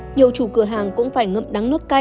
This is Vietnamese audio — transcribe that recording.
nhiều chủ cửa hàng cũng phải ngậm đắng nốt cay